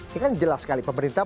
yang jelas sekali pemerintah